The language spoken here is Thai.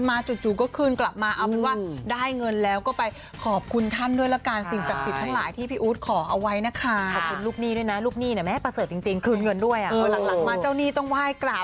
มันก็เป็นไปแล้ว